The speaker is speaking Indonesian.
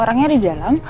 orangnya di dalam